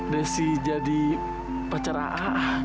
desi jadi pacar a'a